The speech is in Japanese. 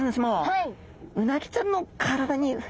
はい。